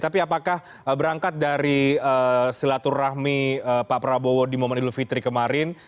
tapi apakah berangkat dari silaturahmi pak prabowo di momen idul fitri kemarin